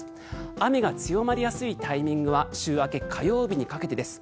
雨が強まりやすいタイミングは週明け、火曜日にかけてです。